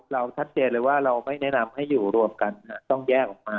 ชัดเจนเลยว่าเราไม่แนะนำให้อยู่รวมกันต้องแยกออกมา